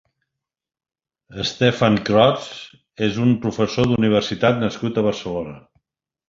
Stefan Krotz és un professor d'universitat nascut a Barcelona.